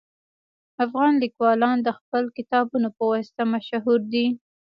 افغان لیکوالان د خپلو کتابونو په واسطه مشهور دي